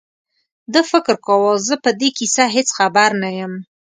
ده فکر کاوه زه په دې کیسه هېڅ خبر نه یم.